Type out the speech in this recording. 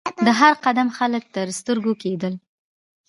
د هر قوم خلک تر سترګو کېدل.